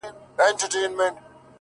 وجود دې ستا وي زه د عقل له ښيښې وځم-